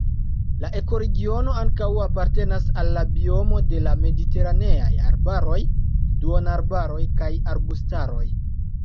La ekoregiono ankaŭ apartenas al la biomo de la mediteraneaj arbaroj, duonarbaroj kaj arbustaroj.